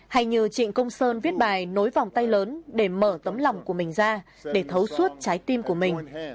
hay như trịnh công sơn viết bài nối vòng tay lớn để mở tấm lòng của mình ra để thấu suốt trái tim của mình